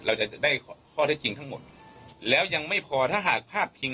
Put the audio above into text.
เราจะได้ข้อเท็จจริงทั้งหมดแล้วยังไม่พอถ้าหากพลาดพิง